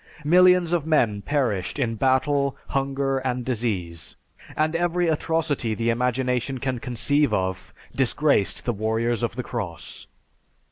Millions of men perished in battle, hunger, and disease, and every atrocity the imagination can conceive of disgraced the warriors of the cross.